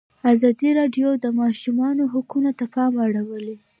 ازادي راډیو د د ماشومانو حقونه ته پام اړولی.